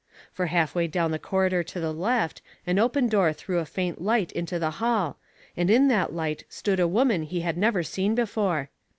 For half way down the corridor to the left an open door threw a faint light into the hall, and in that light stood a woman he had never seen before.